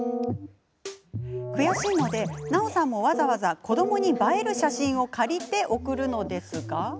悔しいのでなおさんも、わざわざ子どもに映える写真を借りて送るのですが。